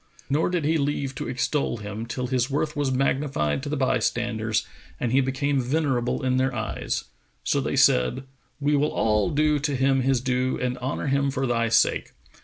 Nor did he leave to extol him, till his worth was magnified to the bystanders and he became venerable in their eyes; so they said, "We will all do him his due and honour him for thy sake.